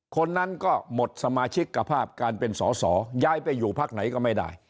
คนนั้นก็หมดสมาชิกกภาพการเป็นสอสอย้ายไปอยู่พักไหนก็ไม่ได้